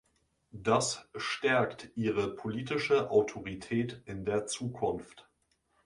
Das stärkt Ihre politische Autorität in der Zukunft.